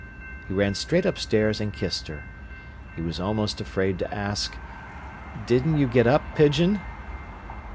He ran straight upstairs and kissed her. He was almost afraid to ask: "Didn't you get up, pigeon?"